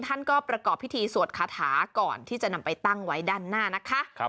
ท่านก็ประกอบพิธีสวดคาถาก่อนที่จะนำไปตั้งไว้ด้านหน้านะคะ